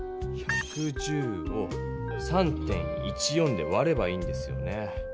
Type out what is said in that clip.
１１０を３．１４でわればいいんですよね。